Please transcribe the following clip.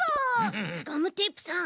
ガムテープさん。